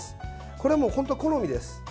これは本当、好みです。